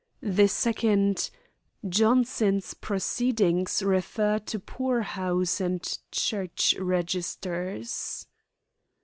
The second: "Johnson's proceedings refer to poorhouse and church registers."